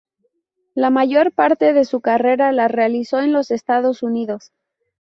La mayor parte de su carrera la realizó en los Estados Unidos.